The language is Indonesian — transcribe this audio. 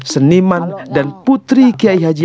seniman dan putri kiai haji